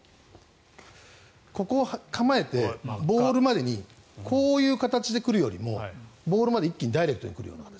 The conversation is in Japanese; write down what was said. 構えて、ボールまでにこういう形で来るよりもボールまで一気にダイレクトに来る形。